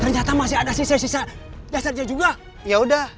ternyata masih ada sisa sisa dastarja juga